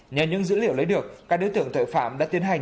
nhờ những dữ liệu lấy được các đối tượng tội phạm đã tiến hành